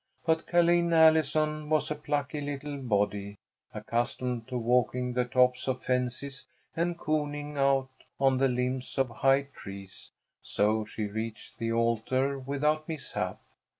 But Ca'line Allison was a plucky little body, accustomed to walking the tops of fences and cooning out on the limbs of high trees, so she reached the altar without mishap.